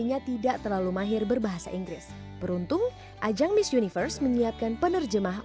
nya tidak terlalu mahir berbahasa inggris beruntung ajang miss universe menyiapkan penerjemah